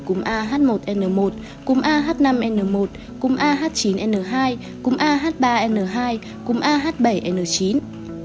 cúm a h một n một cúm a h năm n một cúm a h chín n hai cúm a h ba n hai cúm a h bảy n chín